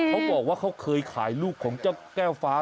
เขาบอกว่าเขาเคยขายลูกของเจ้าแก้วฟ้า